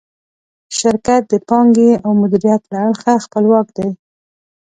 شرکت د پانګې او مدیریت له اړخه خپلواک دی.